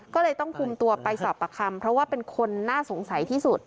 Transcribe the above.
ก็เลยต้องคุมตัวไปสอบประคำเพราะว่าเป็นคนน่าสงสัยที่สุด